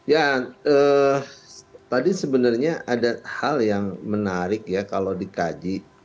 ya tadi sebenarnya ada hal yang menarik ya kalau dikaji